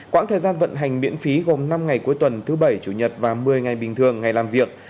quãng thời gian vận hành miễn phí gồm năm ngày cuối tuần thứ bảy chủ nhật và một mươi ngày bình thường ngày làm việc